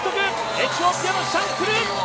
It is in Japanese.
エチオピアのシャンクル！